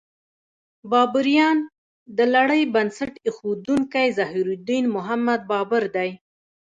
بابریان: د لړۍ بنسټ ایښودونکی ظهیرالدین محمد بابر دی.